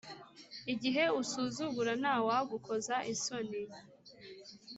igihe usuzugura nta wagukoza isoni’